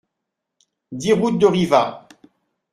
dix route de Rivas